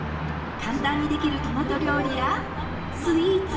簡単にできるトマト料理やスイーツ。